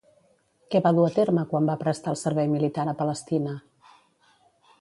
Què va dur a terme quan va prestar el servei militar a Palestina?